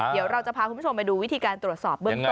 เดี๋ยวเราจะพาคุณผู้ชมไปดูวิธีการตรวจสอบเบื้องต้น